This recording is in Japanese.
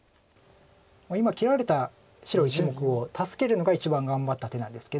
今切られた白１目を助けるのが一番頑張った手なんですけど。